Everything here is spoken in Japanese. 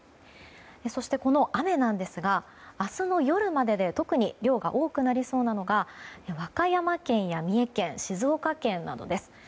そして、この雨ですが明日の夜までで特に量が多くなりそうなのが和歌山県や三重県静岡県などです。